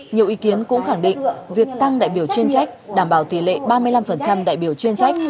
nhiều ý kiến cũng khẳng định việc tăng đại biểu chuyên trách đảm bảo tỷ lệ ba mươi năm đại biểu chuyên trách